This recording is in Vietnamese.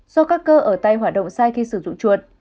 do các cơ ở tay hoạt động sai khi sử dụng chuột